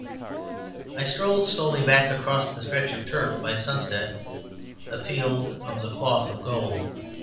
I strolled slowly back across the stretch of turf by the sunset, a field of the cloth of gold.